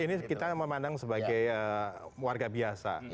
ini kita memandang sebagai warga biasa